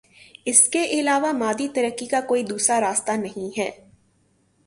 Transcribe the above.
اس کے علاوہ مادی ترقی کا کوئی دوسرا راستہ نہیں ہے۔